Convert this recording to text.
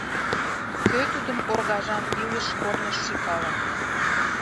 Кӧ тудым оргажан илыш корныш шӱкалын?